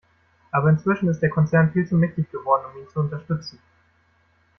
Aber inzwischen ist der Konzern viel zu mächtig geworden, um ihn zu unterstützen.